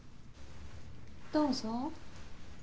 どうぞ。